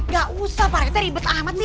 gak usah pak rete ribet amat nih